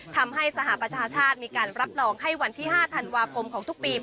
ทำให้สหประชาชาติมีการรับรองให้วันที่๕ธันวาคมของทุกปี